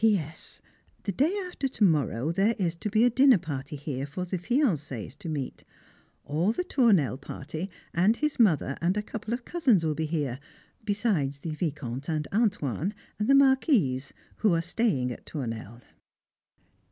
P.S. The day after to morrow there is to be a dinner party here for the fiancés to meet. All the Tournelle party, and his mother and a couple of cousins will be here, besides the Vicomte and "Antoine," and the Marquise, who are staying at Tournelle.